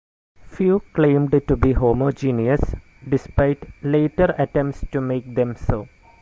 Few claimed to be homogeneous, despite later attempts to make them so.